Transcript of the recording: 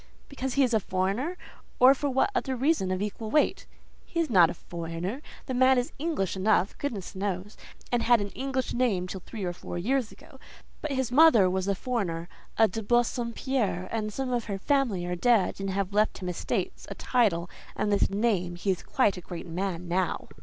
"Because he is a foreigner? or for what other reason of equal weight?" "He is not a foreigner. The man is English enough, goodness knows; and had an English name till three or four years ago; but his mother was a foreigner, a de Bassompierre, and some of her family are dead and have left him estates, a title, and this name: he is quite a great man now."